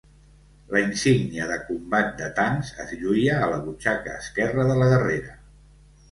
La Insígnia de Combat de Tancs es lluïa a la butxaca esquerra de la guerrera.